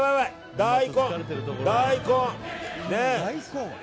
大根！